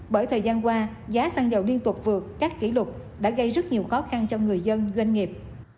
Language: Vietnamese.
bởi thời gian qua giá xăng dầu liên tục vượt các kỷ lục đã gây rất nhiều khó khăn cho người dân doanh nghiệp